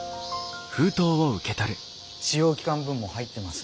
試用期間分も入ってます。